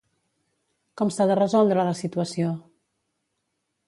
Com s'ha de resoldre la situació?